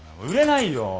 売れないよ。